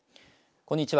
こんにちは。